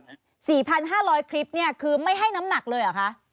๔๕๐๐คิปคือไม่ให้น้ำหนักเลยหรือคะ